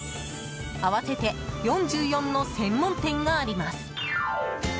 合わせて４４の専門店があります。